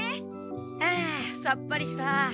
うんさっぱりした。